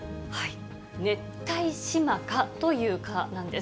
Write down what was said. ネッタイシマカという蚊なんです。